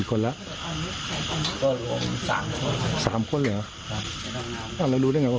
ก็คือพฤษฎะแม็กซ์ว่ะ